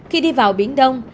khi đi vào biển đông